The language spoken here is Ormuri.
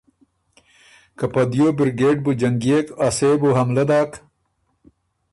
که په دیو بِرګېډ بُو جنګيېک، ا سۀ يې بو حملۀ داک